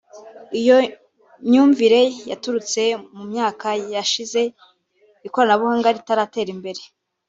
Iyo myumvire yaturutse mu myaka yashize ikoranabuhanga ritaratera imbere